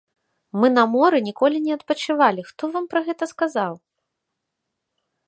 Мы на моры ніколі не адпачывалі, хто вам пра гэта сказаў?